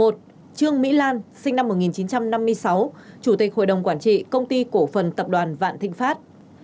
một trương mỹ lan sinh năm một nghìn chín trăm năm mươi sáu chủ tịch hội đồng quản trị công ty cổ phần tập đoàn vạn thịnh pháp